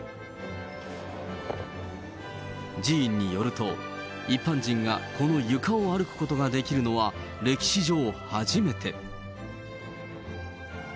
寺院によると、一般人がこの床を歩くことができるのは、歴史上初めて。